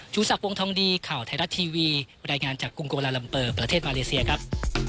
สักวงทองดีข่าวไทยรัฐทีวีรายงานจากกรุงโกลาลัมเปอร์ประเทศมาเลเซียครับ